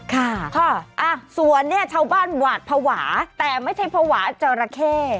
ค่ะส่วนนี้ชาวบ้านหวัดผวาแต่ไม่ใช่ผวาเจ้าระเข้